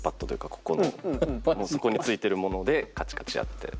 ここのそこについてるものでカチカチやって。